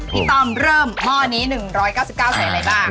ต้อมเริ่มหม้อนี้๑๙๙ใส่อะไรบ้าง